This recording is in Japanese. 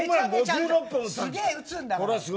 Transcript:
すげえ打つんだから。